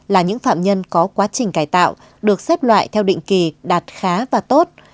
là những phạm nhân có quá trình cải tạo được xếp loại theo định kỳ đạt khá và tốt